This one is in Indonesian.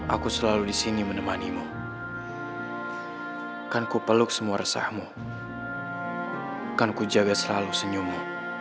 aku selalu disini menemanimu kan ku peluk semua resahmu kan ku jaga selalu senyummu